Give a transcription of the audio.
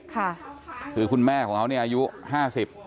ค่ะคือคุณแม่ของเขาเนี่ยอายุห้าสิบ